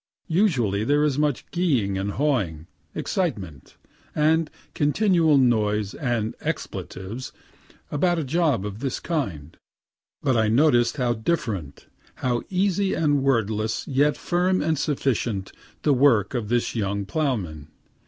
Usually there is much geeing and hawing, excitement, and continual noise and expletives, about a job of this kind. But I noticed how different, how easy and wordless, yet firm and sufficient, the work of this young ploughman.